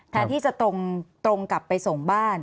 แทนที่จะตรงกลับไปส่งบ้าน